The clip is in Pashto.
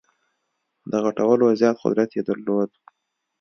د غټولو زیات قدرت یې درلود.